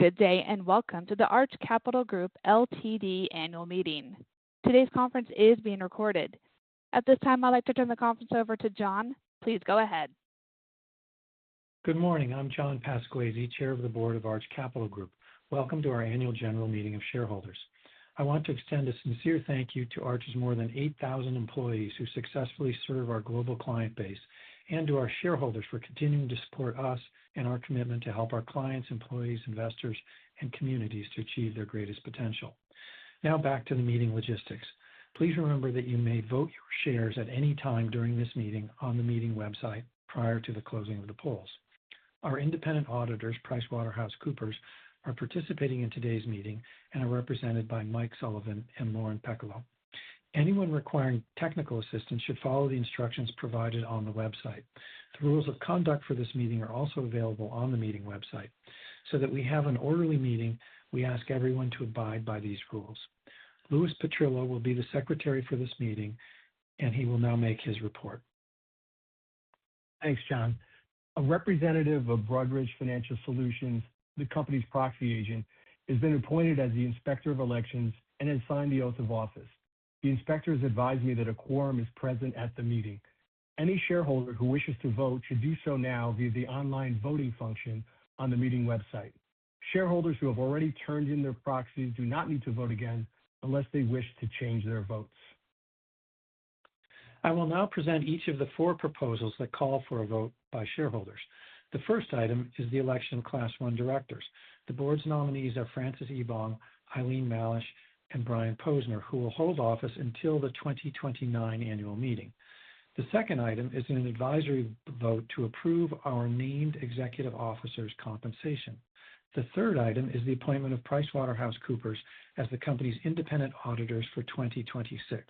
Good day, Welcome to the Arch Capital Group Ltd. annual meeting. Today's conference is being recorded. At this time, I'd like to turn the conference over to John. Please go ahead. Good morning. I'm John Pasquesi, Chair of the Board of Arch Capital Group. Welcome to our annual general meeting of shareholders. I want to extend a sincere thank you to Arch's more than 8,000 employees who successfully serve our global client base and to our shareholders for continuing to support us and our commitment to help our clients, employees, investors, and communities to achieve their greatest potential. Now back to the meeting logistics. Please remember that you may vote your shares at any time during this meeting on the meeting website prior to the closing of the polls. Our independent auditors, PricewaterhouseCoopers, are participating in today's meeting and are represented by Michael Sullivan and Lauren Pecola. Anyone requiring technical assistance should follow the instructions provided on the website. The rules of conduct for this meeting are also available on the meeting website. That we have an orderly meeting, we ask everyone to abide by these rules. Louis Petrillo will be the Secretary for this meeting, and he will now make his report. Thanks, John. A representative of Broadridge Financial Solutions, the company's proxy agent, has been appointed as the Inspector of Elections and has signed the oath of office. The Inspector's advised me that a quorum is present at the meeting. Any shareholder who wishes to vote should do so now via the online voting function on the meeting website. Shareholders who have already turned in their proxies do not need to vote again unless they wish to change their votes. I will now present each of the four proposals that call for a vote by shareholders. The first item is the election of class 1 Directors. The board's nominees are Francis Ebong, Eileen Mallesch, and Brian Posner, who will hold office until the 2029 annual meeting. The second item is an advisory vote to approve our named executive officers' compensation. The third item is the appointment of PricewaterhouseCoopers as the company's independent auditors for 2026.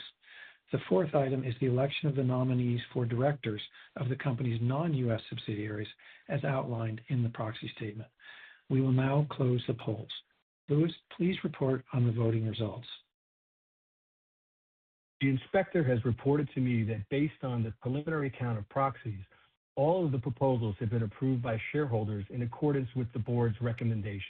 The fourth item is the election of the nominees for directors of the company's non-U.S. subsidiaries, as outlined in the proxy statement. We will now close the polls. Louis, please report on the voting results. The inspector has reported to me that based on the preliminary count of proxies, all of the proposals have been approved by shareholders in accordance with the board's recommendations.